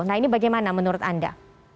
nah ini bagaimana menurut anda